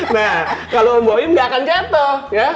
nah kalau om boim gak akan jatuh